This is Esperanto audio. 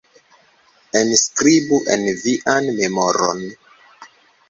Enskribu en vian memoron.